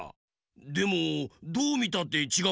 でもどうみたってちがうよな。